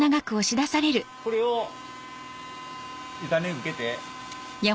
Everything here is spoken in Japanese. これを板に受けて。